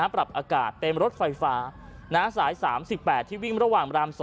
ปรับอากาศเป็นรถไฟฟ้าสาย๓๘ที่วิ่งระหว่างราม๒